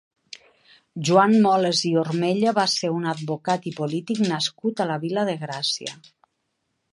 Joan Moles i Ormella va ser un advocat i polític nascut a la Vila de Gràcia.